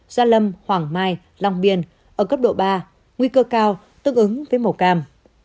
gia lâm hoàng mai long biên ở cấp độ ba nguy cơ cao tương ứng với màu cam